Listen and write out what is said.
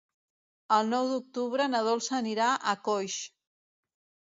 El nou d'octubre na Dolça anirà a Coix.